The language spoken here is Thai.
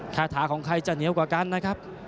คาถาของใครจะเหนียวกว่ากันนะครับ